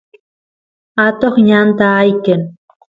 atoq ñanta ayqen